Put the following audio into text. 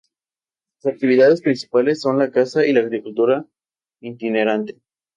Sus actividades principales son la caza y la agricultura itinerante.